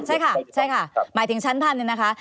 ใช่ค่ะใช่ค่ะหมายถึงชั้นพันหนึ่งนะคะ